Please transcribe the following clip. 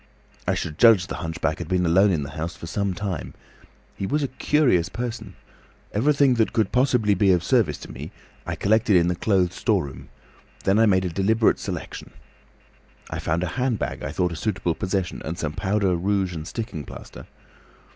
I should judge the hunchback had been alone in the house for some time. He was a curious person. Everything that could possibly be of service to me I collected in the clothes storeroom, and then I made a deliberate selection. I found a handbag I thought a suitable possession, and some powder, rouge, and sticking plaster.